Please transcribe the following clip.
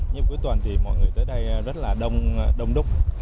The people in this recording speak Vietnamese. những dịp cuối tuần thì mọi người tới đây rất là đông đúc